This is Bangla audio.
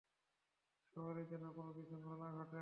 শহরে যেন কোনো বিশৃঙ্খলা না ঘটে।